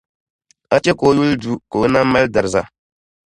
a chɛ ka o yuli du ka o nam mali dariza.